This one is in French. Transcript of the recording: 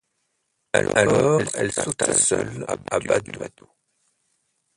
Alors elle sauta seule à bas du bateau.